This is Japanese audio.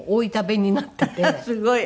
あらすごい。